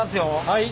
はい。